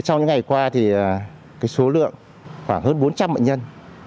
trong những ngày qua thì số lượng khoảng hơn bốn trăm linh bệnh nhân